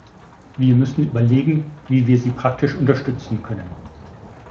Wir müssen überlegen, wie wir sie praktisch unterstützen können.